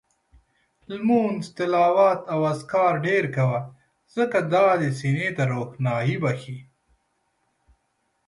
لمونځ، تلاوت او اذکار ډېر کوه، ځکه دا دې سینې ته روښاني بخښي